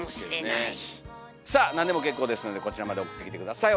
さあ何でも結構ですのでこちらまで送ってきて下さい。